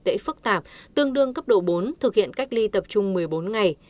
dễ phức tạp tương đương cấp độ bốn thực hiện cách ly tập trung một mươi bốn ngày